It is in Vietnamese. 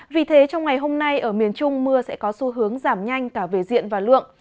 vì thế trong ngày hôm nay ở miền trung mưa sẽ có xu hướng giảm nhanh cả về diện và lượng